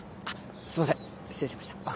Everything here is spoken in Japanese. すいません失礼しました。